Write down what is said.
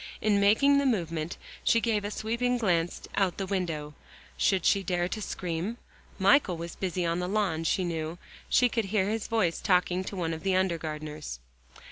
In making the movement she gave a sweeping glance out the window. Should she dare to scream? Michael was busy on the lawn, she knew; she could hear his voice talking to one of the under gardeners.